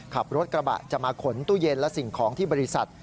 ขับรถกระบะจะมาขนตู้เย็นและสิ่งของที่บริษัท